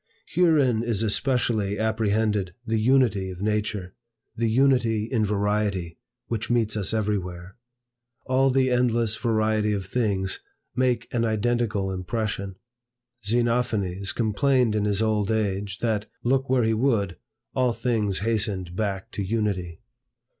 Herein is especially apprehended the unity of Nature, the unity in variety, which meets us everywhere. All the endless variety of things make an identical impression. Xenophanes complained in his old age, that, look where he would, all things hastened back to Unity.